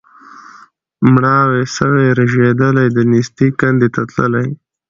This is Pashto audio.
مړاوي سوي رژېدلي د نېستۍ کندي ته تللي